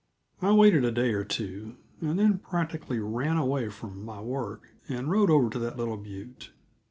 I waited a day or two, and then practically ran away from my work and rode over to that little butte.